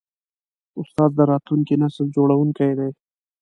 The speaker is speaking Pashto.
استاد د راتلونکي نسل جوړوونکی دی.